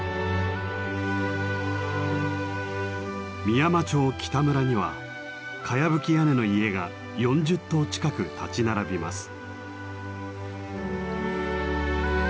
美山町北村にはかやぶき屋根の家が４０棟近く立ち並びます。